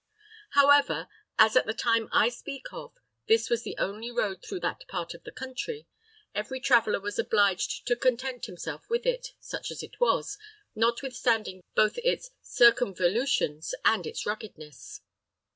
However, as at the time I speak of this was the only road through that part of the country, every traveller was obliged to content himself with it, such as it was, notwithstanding both its circumvolutions and its ruggedness.